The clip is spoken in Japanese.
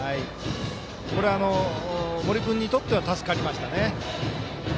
これは森君にとっては助かりましたよね。